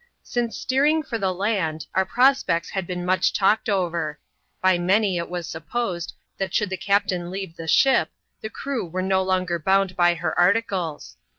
Since steering for the land, our prospects had been much talked over. By many it was supposed, that should the captain leave the ship, the crew were no longer bound by her articles.